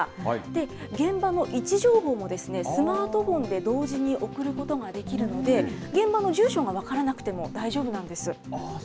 で、現場の位置情報もスマートフォンで同時に送ることができるので、現場の住所が分からなくても大丈夫なんです。